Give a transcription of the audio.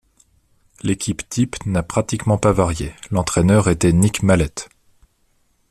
L'équipe-type n'a pratiquement pas varié, l'entraîneur était Nick Mallett.